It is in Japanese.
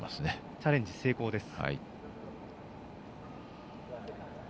チャレンジ成功です。